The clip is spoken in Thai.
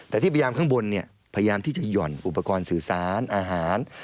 แต่ที่พยายามข้างบนพยายามที่จะห่อนอุปกรณ์สื่อสารอาหาร